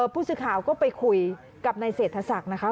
ผู้สื่อข่าวก็ไปคุยกับนายเศรษฐศักดิ์นะคะ